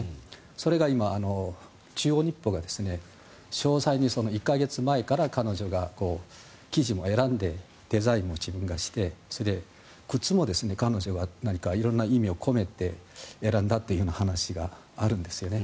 それが中央日報が詳細に１か月前から、彼女が生地も選んでデザインも自分がして靴も彼女が何か色んな意味を込めて選んだという話があるんですよね。